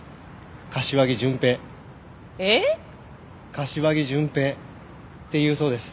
柏木順平って言うそうです。